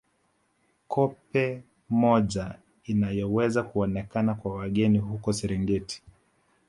Koppe moja inayoweza kuonekana kwa wageni huko Serengeti